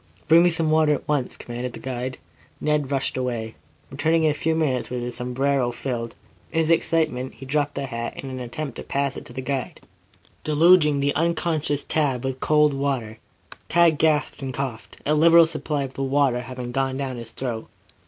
"Bring me some water at once," commanded the guide. Ned rushed away, returning in a few moments with his sombrero filled. In his excitement he dropped the hat in attempting to pass it to the guide, deluging the unconscious Tad with the cold water. Tad gasped and coughed, a liberal supply of the water having gone down hist throat.